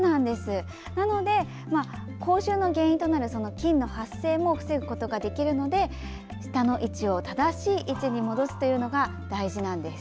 なので、口臭の原因となる菌の発生も防ぐことができるので舌の位置を戻すというのが大事なんです。